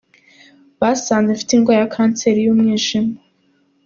Basanze mfite indwara ya kanseri y’umwijima.